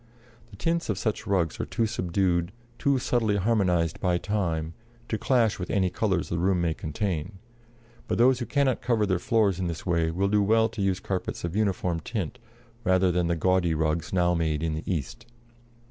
The tints of such rugs are too subdued, too subtly harmonized by time, to clash with any colors the room may contain; but those who cannot cover their floors in this way will do well to use carpets of uniform tint, rather than the gaudy rugs now made in the East.